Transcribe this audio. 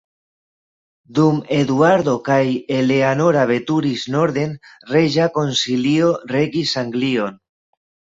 Dum Eduardo kaj Eleanora veturis norden, reĝa konsilio regis Anglion.